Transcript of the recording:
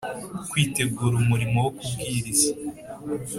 Kwitegura umurimo wo kubwiriza